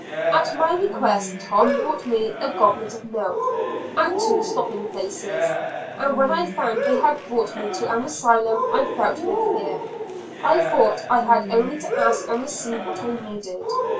At my request, Tom brought me a goblet of milk, at two stopping places, and when I found they had brought me to an Asylum I felt no fear; I thought I had only to ask and receive what I needed.